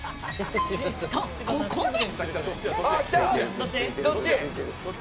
と、ここで！